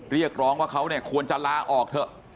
เรียกร้องว่าเขาเนี่ยควรจะลาออกเถอะ